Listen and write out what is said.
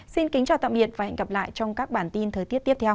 xin kính chào tạm biệt và hẹn gặp lại trong các bản tin thời tiết tiếp theo